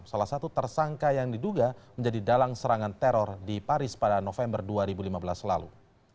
salah satu tersangka yang diduga menjadi dalang serangan teror di paris pada november dua ribu lima belas lalu